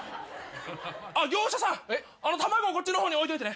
あっ業者さん卵こっちの方に置いといてね。